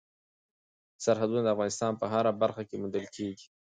سرحدونه د افغانستان په هره برخه کې موندل کېږي.